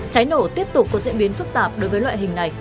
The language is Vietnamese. cháy nổ tiếp tục có diễn biến phức tạp đối với loại hình này